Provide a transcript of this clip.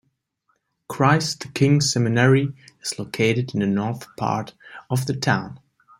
Christ the King Seminary is located in the north part of the town.